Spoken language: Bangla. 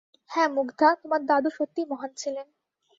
হ্যাঁ, মুগ্ধা, তোমার দাদু সত্যিই মহান ছিলেন!